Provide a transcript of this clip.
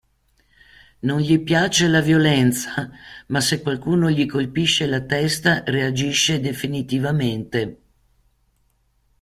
Non gli piace la violenza, ma se qualcuno gli colpisce la testa reagisce definitivamente.